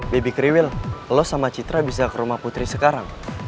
baby kriwil los sama citra bisa ke rumah putri sekarang